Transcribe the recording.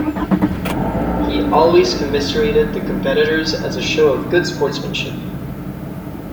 He always commiserated the competitors as a show of good sportsmanship.